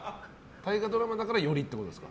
大河ドラマだからよりっていうことですか？